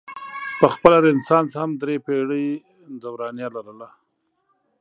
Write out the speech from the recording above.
پخپله رنسانس هم درې پیړۍ دورانیه لرله.